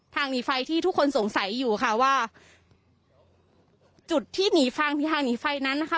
หนีไฟที่ทุกคนสงสัยอยู่ค่ะว่าจุดที่หนีฟังหรือทางหนีไฟนั้นนะคะ